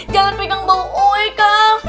jangan pegang bau oe kak